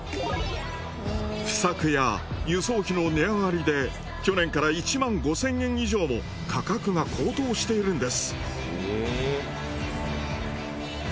不作や輸送費の値上がりで去年から１万５，０００円以上も価格が高騰しているんです。